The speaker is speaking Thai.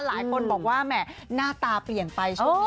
หลายคนบอกว่าแหมหน้าตาเปลี่ยนไปช่วงนี้